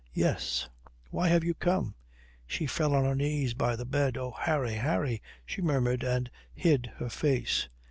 "Yes." "Why have you come?" She fell on her knees by the bed. "Oh, Harry, Harry," she murmured, and hid her face.